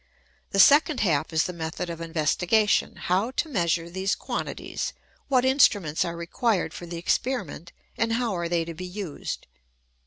The second half is the method of investigation ; how to measure these quan tities, what instruments are required for the experiment, and how are they to be used